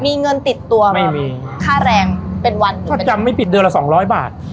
มีเงินติดตัวไหมไม่มีค่าแรงเป็นวันถ้าจำไม่ผิดเดือนละสองร้อยบาท